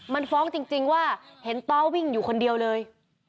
มันฟ้องจริงว่าเห็นต้อวิ่งอยู่คนเดียวเลย